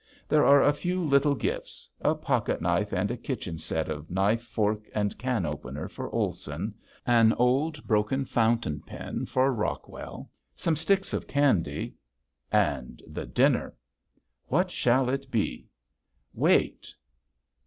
There are a few little gifts, a pocketknife and a kitchen set of knife, fork, and can opener for Olson. An old broken fountain pen for Rockwell, some sticks of candy, and the dinner! What shall it be? Wait!